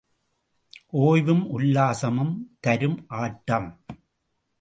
ஓய்வும் உல்லாசமும் தரும் ஆட்டம்!